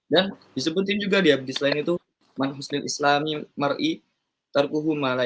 dan disebutin juga di abdis lain itu